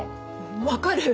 分かる。